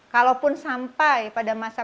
kalaupun sampai pada masa